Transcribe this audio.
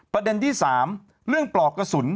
ประเด็นที่๓เรื่องปลอกกระสุน